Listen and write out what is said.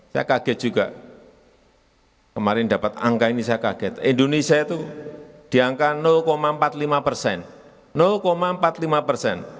saya kaget juga kemarin dapat angka ini saya kaget indonesia itu di angka empat puluh lima persen empat puluh lima persen